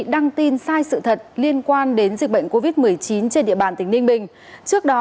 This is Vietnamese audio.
đăng tin sai sự thật liên quan đến dịch bệnh covid một mươi chín trên địa bàn tỉnh ninh bình trước đó